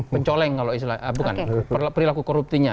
mencoleng kalau islah bukan perilaku koruptinya